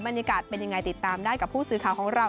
บรรยากาศเป็นยังไงติดตามได้กับผู้สื่อข่าวของเรา